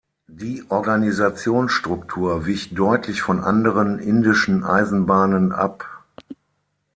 Die Organisationsstruktur wich deutlich von anderen indischen Eisenbahnen ab.